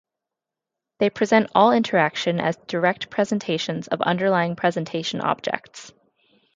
They present all interaction as direct presentations of underlying presentation objects.